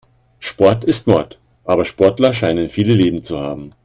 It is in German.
Sport ist Mord, aber Sportler scheinen viele Leben zu haben.